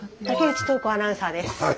武内陶子アナウンサーです。